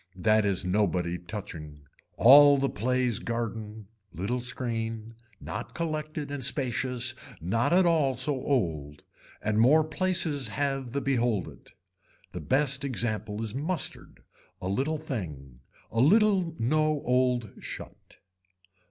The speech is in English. That is nobody touching. All the plays garden. Little screen. Not collected and spacious not at all so old. And more places have the behold it. The best example is mustard. A little thing. A little no old shut.